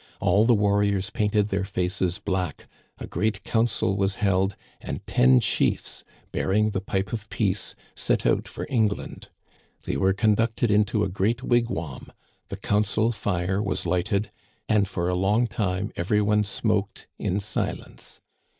All the warrior? painted their faces black, a great council was held, and ten chiefs bearing the pipe of peace set out for England. They were conducted into a great wigwam, the council fire was lighted, and for a long time every one spoke in silence.